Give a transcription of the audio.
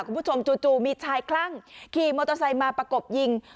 คุณผู้ชมจู่มีชายคลั่งขี่มอเตอร์ไซค์มาประกบยิง